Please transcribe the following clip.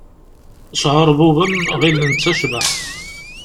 Sɛurbuben, ɣillen d tacbaḥt.